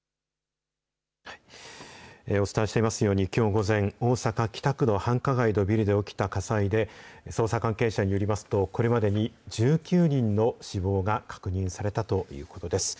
お伝えしていますように、きょう午前、大阪・北区の繁華街のビルで起きた火災で、捜査関係者によりますと、これまでに１９人の死亡が確認されたということです。